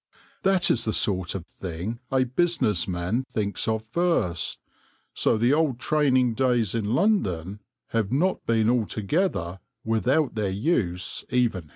That is the sort of thing a business man thinks of first, so the old training days in London have not been altogether without their use even here."